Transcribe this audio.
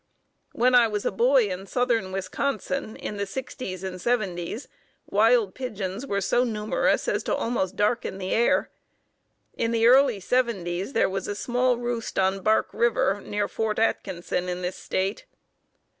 When I was a boy in southern Wisconsin in the 60's and 70's, wild pigeons were so numerous as to almost darken the air. In the early 70's there was a small roost on Bark River, near Ft. Atkinson, in this State.